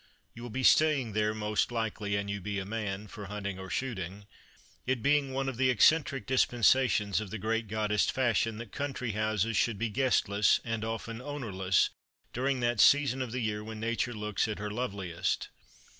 You will be staying there, most likely, an you be a man, for hunting or shooting it being one of the eccentric dispensations of the great goddess Fashion that country houses should be guestless, and often ownerless, during that season of the year when nature looks at her loveliest.